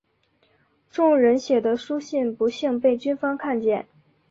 众人写的书信不幸被军方看见。